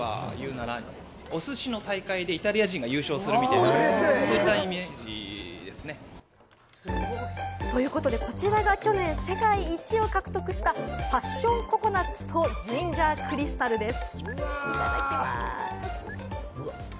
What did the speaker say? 兄弟そろって世界一です。ということで、こちらが去年世界一を獲得したパッションココナッツとジンジャークリスタルです。